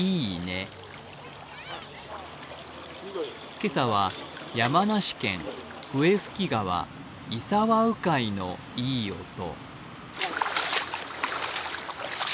今朝は山梨県笛吹川石和鵜飼のいい音。